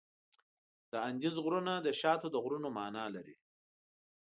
د اندیز غرونه د شاتو د غرونو معنا لري.